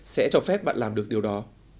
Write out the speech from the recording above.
sẽ cho phép bạn làm được điều đó